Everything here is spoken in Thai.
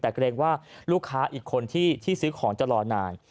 แต่เกรงว่าลูกค้าอีกคนที่ซื้อของจะรอนาน